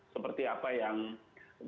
seperti apa yang di